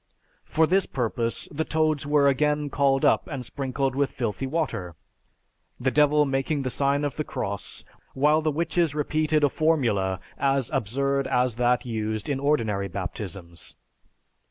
For this purpose the toads were again called up and sprinkled with filthy water, the Devil making the sign of the cross, while the witches repeated a formula as absurd as that used in ordinary baptisms.